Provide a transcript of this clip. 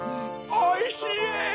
おいしい！